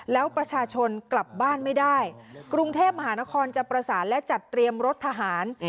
แล้วประชาชนกลับบ้านไม่ได้กรุงเทพมหานครจะประสานและจัดเตรียมรถทหาร